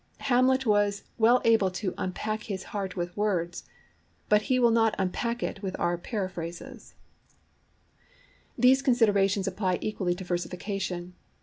Hamlet was well able to 'unpack his heart with words,' but he will not unpack it with our paraphrases. VERSIFICATION These considerations apply equally to versification.